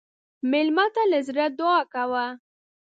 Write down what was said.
مېلمه ته له زړه دعا کوه.